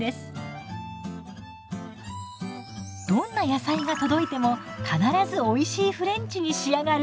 どんな野菜が届いても必ずおいしいフレンチに仕上がる！